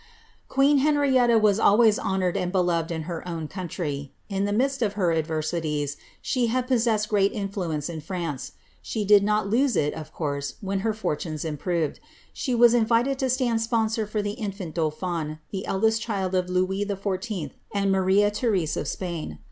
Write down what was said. Queen Henrietta was always honoured and beloved in her own country. In the midst of her adversities, she had possessed great influence in France; she did not lose it of course when her fortunes improved ; she wae invited to stand sponsor for the infant dauphin, the eldest child of Louie XIV. and Blaria Therese of Spain.